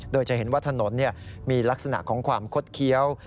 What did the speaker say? โดยจะเห็นว่าถนนมีลักษณะของความคดเคี้ยว